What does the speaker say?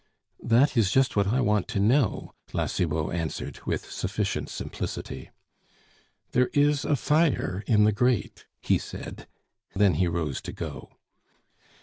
"That is just what I want to know," La Cibot answered, with sufficient simplicity. "There is a fire in the grate " he said. Then he rose to go.